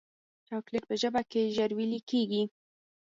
چاکلېټ په ژبه کې ژر ویلې کېږي.